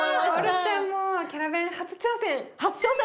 オルちゃんもキャラベン初挑戦？